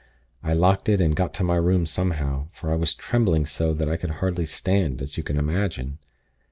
I locked it, and got to my room somehow; for I was trembling so that I could hardly stand, as you can imagine.